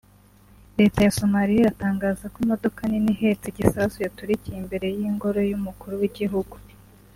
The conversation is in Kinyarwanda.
Leta ya Somaliya iratangaza ko imodoka nini ihetse igisasu yaturikiye imbere y’Ingoro y’umukuru w’igihugu